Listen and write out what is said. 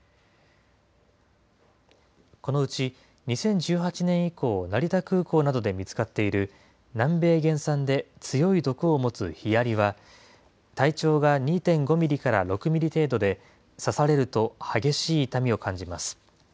このうち２０１８年以降、成田空港などで見つかっている南米原産で、強い毒を持つヒアリは、体長が２．５ミリから６ミリ程度で、刺されると激しい痛みを感じます。